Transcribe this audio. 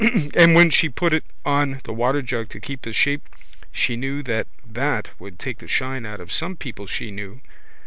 And when she put it on the waterjug to keep the shape she knew that that would take the shine out of some people she knew.